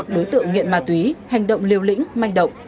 đối tượng nghịn má túy hành động lưu lĩnh manh động